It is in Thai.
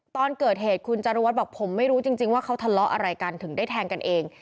ตอนเกิดเหตุคุณจารุวัตรบอกผมไม่รู้จริงว่าเขาทะเลาะอะไรกันถึงได้แทงกันเอง